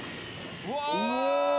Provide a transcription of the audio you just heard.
うわ。